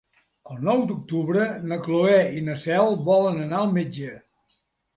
El nou d'octubre na Cloè i na Cel volen anar al metge.